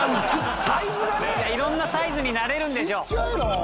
色んなサイズになれるんでしょ。